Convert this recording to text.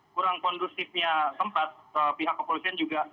kurang kondusifnya tempat pihak kepolisian juga